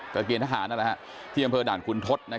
กระเกณฑ์ทหารที่บำเผยด่านคุณทศ